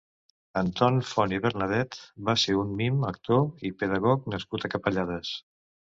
Anton Font i Bernadet va ser un mim, actor i pedagog nascut a Capellades.